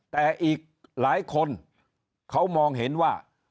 แต่อีกหลายคนเขามองเห็นว่า